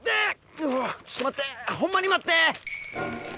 うわちょっと待ってホンマに待って。